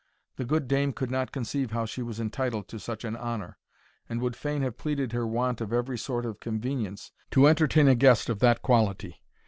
The good dame could not conceive how she was entitled to such an honour, and would fain have pleaded her want of every sort of convenience to entertain a guest of that quality.